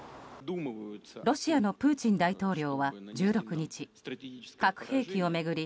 ロシアのプーチン大統領は１６日核兵器を巡り